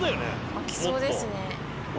開きそうですね。